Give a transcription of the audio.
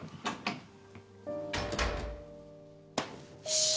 よし。